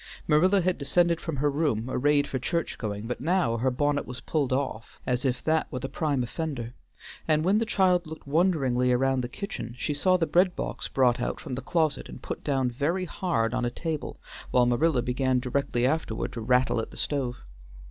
Marilla had descended from her room arrayed for church going, but now her bonnet was pulled off as if that were the prime offender, and when the child looked wonderingly around the kitchen, she saw the bread box brought out from the closet and put down very hard on a table, while Marilla began directly afterward to rattle at the stove.